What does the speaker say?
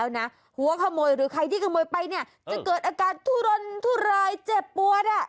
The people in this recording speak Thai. หนวนทุรรายเจ็บปวดอ่ะ